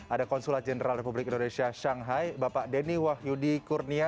ada konsulat jenderal republik indonesia shanghai bapak denny wahyudi kurnia